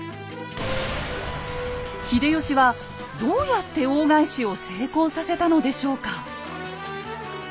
秀吉はどうやって大返しを成功させたのでしょうか？